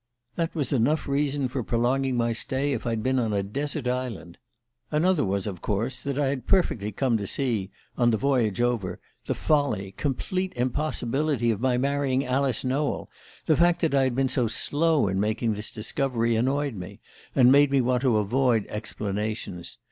That was enough reason for prolonging my stay if I'd been on a desert island. Another was, of course, that I had perfectly come to see, on the voyage over, the folly, complete impossibility, of my marrying Alice Nowell. The fact that I had been so slow in making this discovery annoyed me, and made me want to avoid explanations.